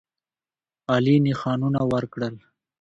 عالي نښانونه ورکړل.